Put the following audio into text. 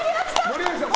森脇さん！